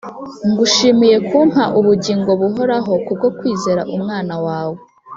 Ngushimiye kumpa ubugingo buhoraho ku bwo kwizera Umwana wawe.